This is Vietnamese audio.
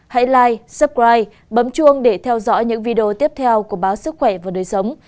hãy like subscribe bấm chuông để theo dõi những video tiếp theo của báo sức khỏe và đời sống